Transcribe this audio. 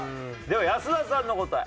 では安田さんの答え。